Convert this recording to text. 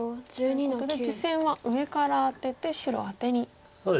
ということで実戦は上からアテて白アテになりました。